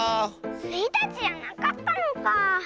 スイたちじゃなかったのか。